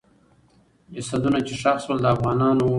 جسدونه چې ښخ سول، د افغانانو وو.